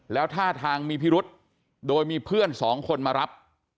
แล้วท่าทางมีพิรุษโดยมีเพื่อนสองคนมารับ